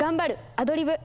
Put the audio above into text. アドリブ。